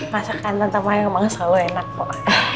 masakan tante mayang emang selalu enak kok